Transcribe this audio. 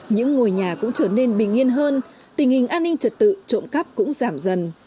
những ngôi nhà cũng trở nên bình yên hơn tình hình an ninh trật tự trộm cắp cũng giảm dần